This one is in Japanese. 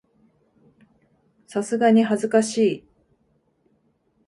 さすがに恥ずかしい